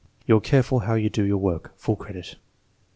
"You're careful how you do your work." (Full credit.)